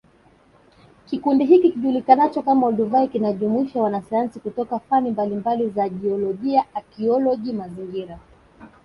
Kikundi hiki kijulikanacho kama Olduvai kinajumuisha wanasayansi kutoka fani mbalimbali za jiolojia akioloji mazingira